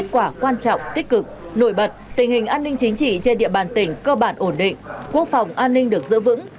chúc các đồng chí trên địa bàn tỉnh cơ bản ổn định quốc phòng an ninh được giữ vững